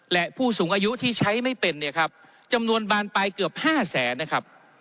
และผู้สูงอายุที่ใช้ไม่เป็นเนี่ยครับจำนวนบานไปเกือบ๕แสนนะครับ